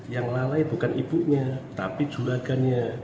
yang lalai bukan ibunya tapi juragannya